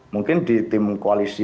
mungkin di tim koalisi